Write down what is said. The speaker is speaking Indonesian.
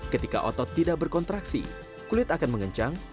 ketika otot tidak berkontraksi kulit akan mengencang